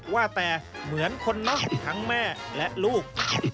ว่าแต่เหมือนคนนอกทั้งแม่และลูก